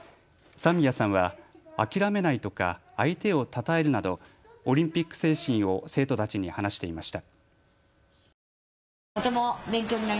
三宮さんは諦めないとか、相手をたたえるなどオリンピック精神を生徒たちに話していました。